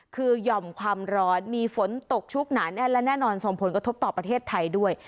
คือหย่อมความร้อนมีฝนตกชุกหนาแน่นและแน่นอนส่งผลกระทบต่อประเทศไทยด้วย